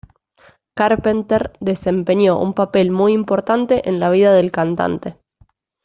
Carpenter desempeñó un papel muy importante en la vida de la cantante.